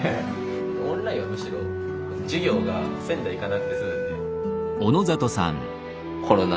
オンラインはむしろ授業が仙台行かなくて済むんで。